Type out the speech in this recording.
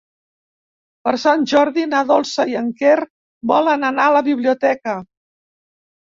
Per Sant Jordi na Dolça i en Quer volen anar a la biblioteca.